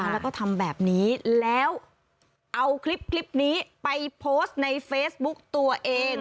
แล้วก็ทำแบบนี้แล้วเอาคลิปนี้ไปโพสต์ในเฟซบุ๊กตัวเอง